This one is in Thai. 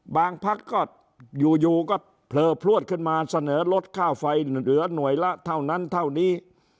พักก็อยู่ก็เผลอพลวดขึ้นมาเสนอลดค่าไฟเหลือหน่วยละเท่านั้นเท่านี้